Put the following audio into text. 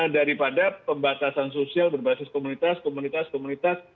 daripada pembatasan sosial berbasis komunitas komunitas komunitas